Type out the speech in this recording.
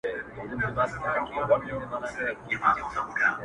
د خدای په کور کي د بوتل مخ ته دستار وتړی-